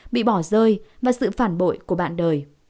bị bỏ rơi và sự phản bội của bạn đời